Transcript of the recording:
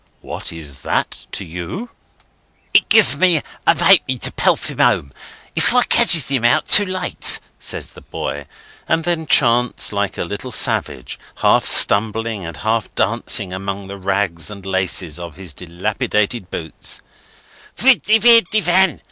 "What is that to you?" "He gives me a 'apenny to pelt him home if I ketches him out too late," says the boy. And then chants, like a little savage, half stumbling and half dancing among the rags and laces of his dilapidated boots:— "Widdy widdy wen!